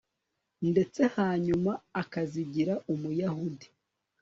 ndetse hanyuma akazigira umuyahudi